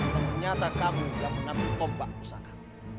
ternyata kamu yang mengambil tombak pusaka